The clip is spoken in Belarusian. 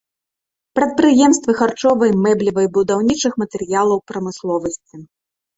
Прадпрыемствы харчовай, мэблевай, будаўнічых матэрыялаў прамысловасці.